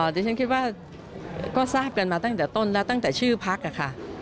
ดิฉันคิดว่าก็ทราบกันมาตั้งแต่ต้นแล้วตั้งแต่ชื่อพักค่ะ